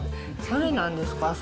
あれ、なんですか。